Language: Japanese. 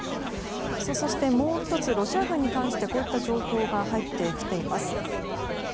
そしてもう１つロシア軍に関してこういった情報が入ってきています。